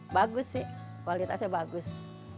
bagus sih kualitasnya bagus